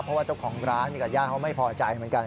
เพราะว่าเจ้าของร้านกับญาติเขาไม่พอใจเหมือนกัน